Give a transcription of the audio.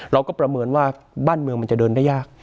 ประเมินว่าบ้านเมืองมันจะเดินได้ยาก